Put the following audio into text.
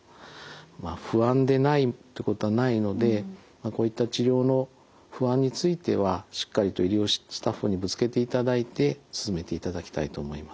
まあ不安でないっていうことはないのでこういった治療の不安についてはしっかりと医療スタッフにぶつけていただいて進めていただきたいと思います。